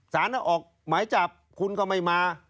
สารออกหมายจับคุณก็ไม่มา